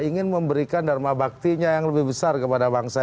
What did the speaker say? ingin memberikan darmabaktinya yang lebih besar kepada bangsa